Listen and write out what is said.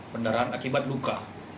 pendarahan akibat luka